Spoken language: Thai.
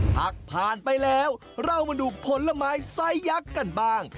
ผักผ่านไปแล้วเรามาดูผลไม้ไซสยักษ์กันบ้าง